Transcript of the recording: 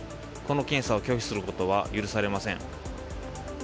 この検査を拒否することは許されません。